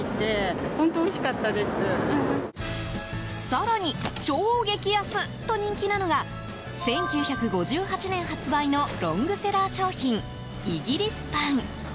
更に、超激安！と人気なのが１９５８年発売のロングセラー商品イギリスパン。